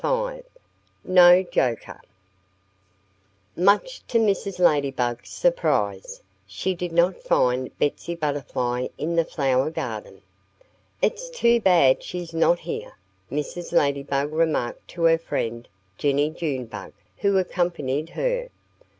V NO JOKER MUCH to Mrs. Ladybug's surprise, she did not find Betsy Butterfly in the flower garden. "It's too bad she's not here," Mrs. Ladybug remarked to her friend Jennie Junebug, who accompanied her.